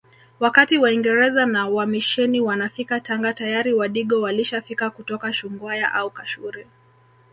Wakati waingereza na wamisheni wanafika Tanga tayari wadigo walishafika kutoka Shungwaya au kashuri